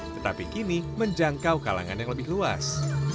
tetapi kini menjangkau kalangan yang lebih luas